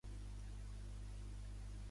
Volem tecnologia en català!